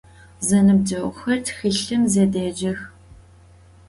Zenıbceğuxer txılhım zedêcex.